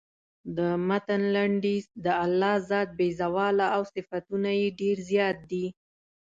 د متن لنډیز د الله ذات بې زواله او صفتونه یې ډېر زیات دي.